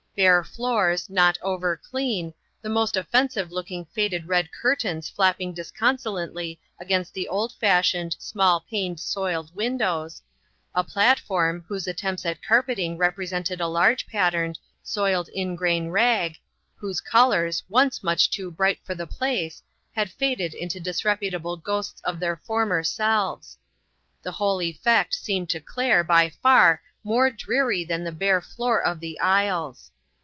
Bare floors, not over clean, the most offensive looking faded red curtains flapping disconsolately against the old fashioned, small paned soiled windows ; a platform, whose attempts at carpeting rep resented a large patterned, soiled ingrain rag, whose colors, once much too bright for the place, had faded into disreputable ghosts of their former selves. The whole effect seemed to Claire by far more dreary than the bare floor of the aisles.